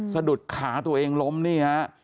สะดุดขาตัวเองล้มนี่ฮะ